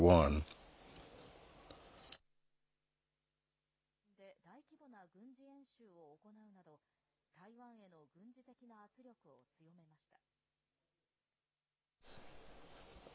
中国軍は、台湾周辺で大規模な軍事演習を行うなど、台湾への軍事的な圧力を強めました。